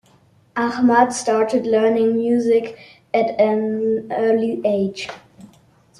Ahmad started learning music at an early age.